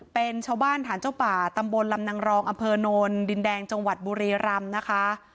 เป็นชาวบ้านฐานเจ้าป่าตำบลลำนางรองอำเภอโนนดินแดงจังหวัดบุรีรำนะคะ